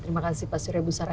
terima kasih pak surya busara